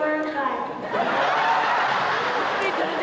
dan aku makan